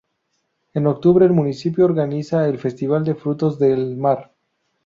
En octubre, el municipio organiza el Festival de Frutos del Mar.